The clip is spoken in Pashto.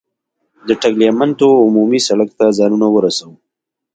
د ټګلیامنتو عمومي سړک ته ځانونه ورسوو.